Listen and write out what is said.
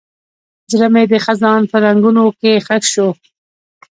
زړه مې د خزان په رنګونو کې ښخ شو.